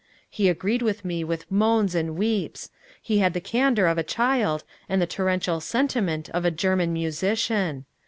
He agreed with me with moans and weeps. He had the candor of a child and the torrential sentiment of a German musician.